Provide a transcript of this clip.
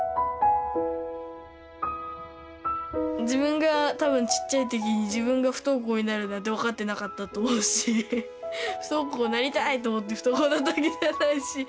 自分が多分ちっちゃい時に自分が不登校になるなんて分かってなかったと思うし不登校なりたいと思って不登校なったわけじゃないし。